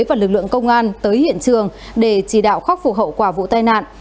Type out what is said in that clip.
và lực lượng công an tới hiện trường để chỉ đạo khắc phục hậu quả vụ tai nạn